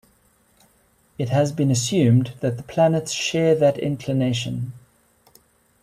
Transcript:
It has been assumed that the planets share that inclination.